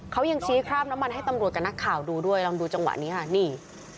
เขายังชี้คราบน้ำมันให้ตำรวจกับนักข่าวดูด้วยลองดูจังหวะนี้ค่ะนี่